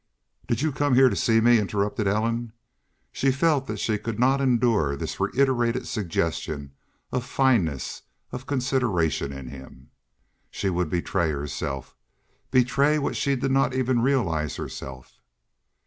"Did you come heah to see me?" interrupted Ellen. She felt that she could not endure this reiterated suggestion of fineness, of consideration in him. She would betray herself betray what she did not even realize herself.